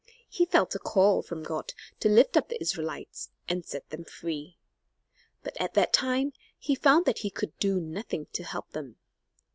He felt a call from God to lift up the Israelites and set them free. But at that time he found that he could do nothing to help them.